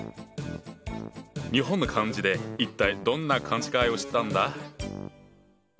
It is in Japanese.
日本の漢字で一体どんな勘違いをしたんだ？